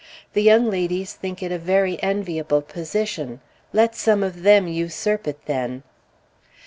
The young ladies think it a very enviable position. Let some of them usurp it, then!